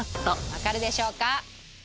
わかるでしょうか。